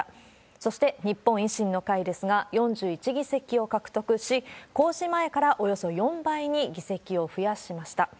そして日本維新の会ですが、４１議席を獲得し、公示前からおよそ４倍に議席を増やしました。